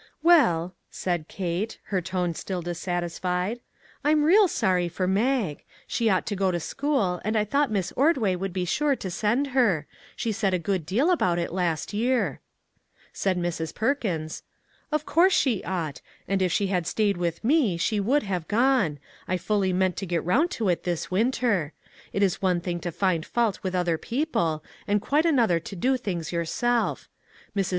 " Well," said Kate, her tone still dissatisfied, " I'm real sorry for Mag; she ought to go to school, and I thought Miss Ordway would be sure to send her ; she said a good deal about it last year." Said Mrs. Perkins :" Of course she ought, 307 MAG AND MARGARET arfd if she had stayed with me, she would have gone ; I fully meant to get around to it this win ter. It is one thing to find fault with other peo ple, and quite another to do things yourself. Mrs.